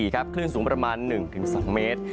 คลื่นสูงประมาณ๑๒เมตร